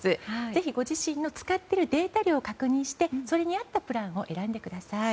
ぜひご自身の使っているデータ量を確認してそれに合ったプランを選んでください。